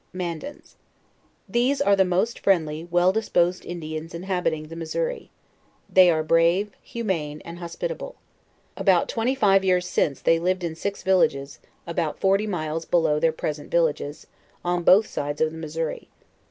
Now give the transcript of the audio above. MANDANS. These are the most friendly, well disposed In dians inhabiting the Missouri. They are brave, humane, and hospitable. About twenty five years since they lived in six villages, about forty miles below their present villages, on both sides of the Missouri.